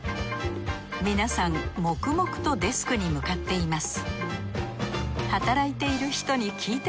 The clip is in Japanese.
皆さん黙々とデスクに向かっています